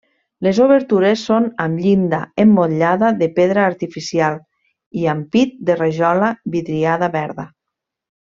Les obertures són amb llinda emmotllada de pedra artificial i ampit de rajola vidriada verda.